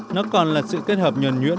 nó còn là sự kết hợp nhuẩn nhuyễn